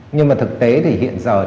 nhưng mà thực tế thì hiện nay